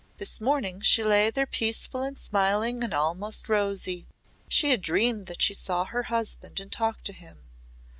This morning she lay there peaceful and smiling and almost rosy. She had dreamed that she saw her husband and talked to him.